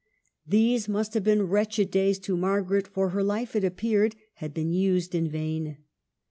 These must have been wretched days to Margaret, for her life, it appeared, had been used in vain.